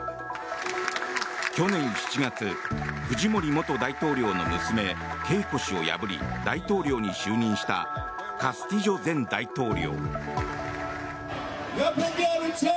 去年７月、フジモリ元大統領の娘ケイコ氏を破り大統領に就任したカスティジョ前大統領。